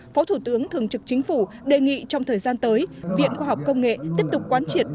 phó thủ tướng thường trực chính phủ đề nghị trong thời gian tới viện khoa học công nghệ tiếp tục quán triệt